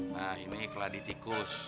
nah ini keladi tikus